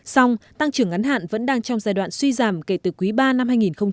song tăng trưởng ngắn hạn vẫn đang trong giai đoạn suy giảm kể từ quý ba năm hai nghìn một mươi chín